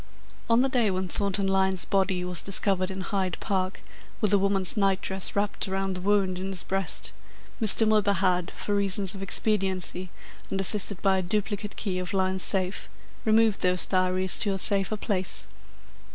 On the day when Thornton Lyne's body was discovered in Hyde Park with a woman's night dress wrapped around the wound in his breast, Mr. Milburgh had, for reasons of expediency and assisted by a duplicate key of Lyne's safe, removed those diaries to a safer place.